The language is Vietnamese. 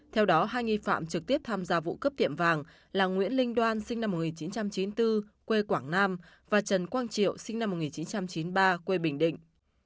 theo đó hai nghi phạm trực tiếp tham gia vụ cướp tiệm vàng là nguyễn linh đoan sinh năm một nghìn chín trăm chín mươi bốn quê quảng nam và trần quang triệu sinh năm một nghìn chín trăm chín mươi ba quê bình định